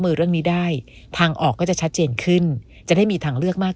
มือเรื่องนี้ได้ทางออกก็จะชัดเจนขึ้นจะได้มีทางเลือกมาก